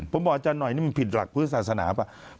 ผมบอกอาจารย์หน่อยนี่มันผิดหลักพุทธศาสนาหรือเปล่า